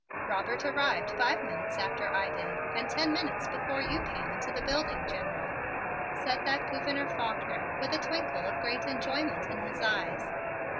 "Robert arrived five minutes after I did and ten minutes before you came into the building, General," said that Gouverneur Faulkner, with a twinkle of great enjoyment in his eyes.